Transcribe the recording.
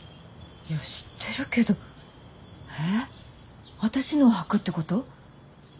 知ってるけどえっ私のをはくってこと？